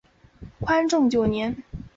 宽政九年。